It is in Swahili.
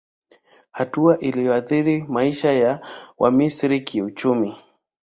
Hatua iliyoathiri maisha ya Wamisri kiuchumi